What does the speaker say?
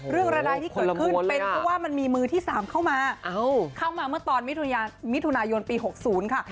ระดายที่เกิดขึ้นเป็นเพราะว่ามันมีมือที่๓เข้ามาเข้ามาเมื่อตอนมิถุนายนปี๖๐ค่ะ